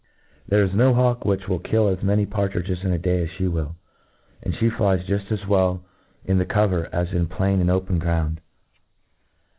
• There is no hawk which will kill as many partridges in a day as flie will j and fhc flies juit as well in the cover as in* plain and open ground.